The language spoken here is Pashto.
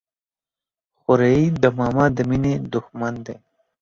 خوريي د ماما د ميني د ښمن دى.